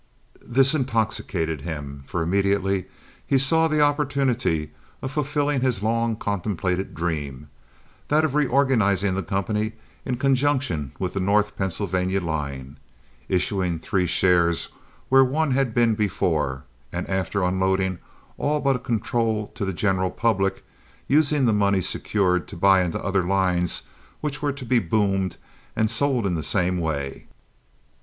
This intoxicated him, for immediately he saw the opportunity of fulfilling his long contemplated dream—that of reorganizing the company in conjunction with the North Pennsylvania line, issuing three shares where one had been before and after unloading all but a control on the general public, using the money secured to buy into other lines which were to be boomed and sold in the same way.